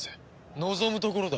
望むところだ。